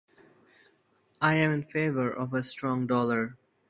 I am in favor of a strong dollar.